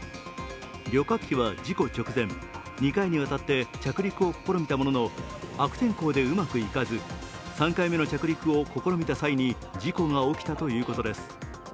旅客機は事故直前、２回にわたって着陸を試みたものの悪天候でうまくいかず、３回目の着陸を試みた際に事故が起きたということです。